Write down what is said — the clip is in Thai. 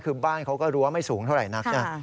คือบ้านเขาก็รั้วไม่สูงเท่าไหร่นักนะ